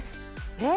えっ？